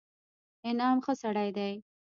انعام ښه سړى دئ.